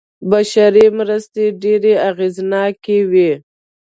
بشري مرستې ډېرې اغېزناکې وې.